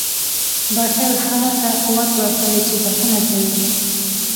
• بښل هغه ته قوت ورکوي چې بښنه کوي.